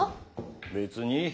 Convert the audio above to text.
別に。